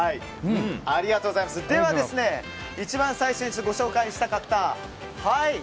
では、一番最初にご紹介したかった。